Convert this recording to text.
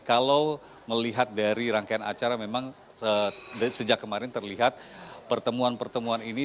kalau melihat dari rangkaian acara memang sejak kemarin terlihat pertemuan pertemuan ini